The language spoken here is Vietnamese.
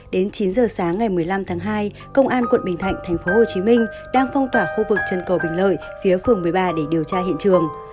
đến chín giờ sáng ngày một mươi năm tháng hai công an quận bình thạnh tp hcm đang phong tỏa khu vực chân cầu bình lợi phía phường một mươi ba để điều tra hiện trường